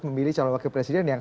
memilih calon wakil presiden yang